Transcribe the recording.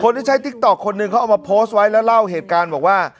ที่ใช้ติ๊กต๊อกคนหนึ่งเขาเอามาโพสต์ไว้แล้วเล่าเหตุการณ์บอกว่า